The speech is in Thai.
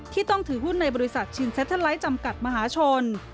ที่ต้องถือหุ้นในบริษัทชิงเซ็ตเทอร์ไลท์จำกัดมหาชน